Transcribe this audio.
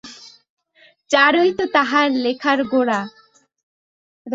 চারুই তো তাহার লেখার গোড়া।